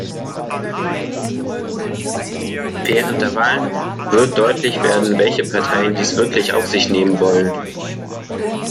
Während der Wahlen wird deutlich werden, welche Parteien dies wirklich auf sich nehmen wollen.